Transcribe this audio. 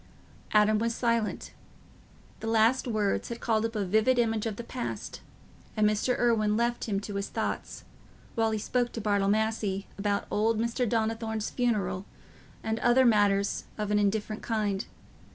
Adam was silent: the last words had called up a vivid image of the past, and Mr. Irwine left him to his thoughts, while he spoke to Bartle Massey about old Mr. Donnithorne's funeral and other matters of an indifferent kind.